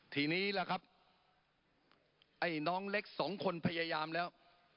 ทีนี้ล่ะครับไอ้น้องเล็กสองคนพยายามแล้ว